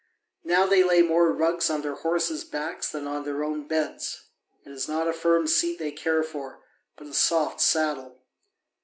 Now they lay more rugs on their horses' backs than on their own beds; it is not a firm seat they care for, but a soft saddle.